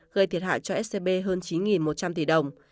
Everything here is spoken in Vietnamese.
gây thiệt hại cho scb hơn chín một trăm linh tỷ đồng